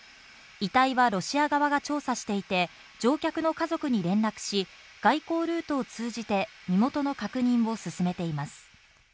遺体はロシア側が調査していて、乗客の家族に連絡し、外交ルートを通じて身元の確認を進めています。